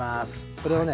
これをね